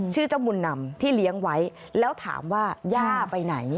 ชื่อเจ้าบุญนำที่เลี้ยงไว้แล้วถามว่าย่าไปไหน